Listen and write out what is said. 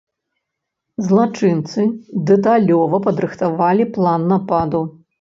Злачынцы дэталёва падрыхтавалі план нападу.